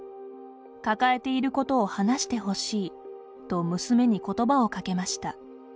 抱えていることを話して欲しいと娘に言葉をかけました。